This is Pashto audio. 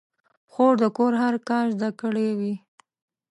خور د کور هر کار زده کړی وي.